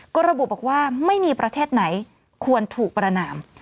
ก็ระบุบอกว่าไม่มีประเทศไหนควรถูกประนาม